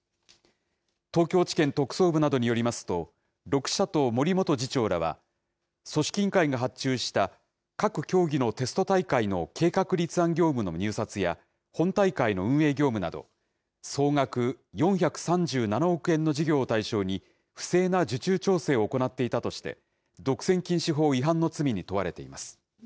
東京地検特捜部などによりますと、６社と森元次長らは、組織委員会が発注した各競技のテスト大会の計画立案業務の入札や本大会の運営業務など、総額４３７億円の事業を対象に、不正な受注調整を行っていたとして、独占禁止法違反の罪に問われています。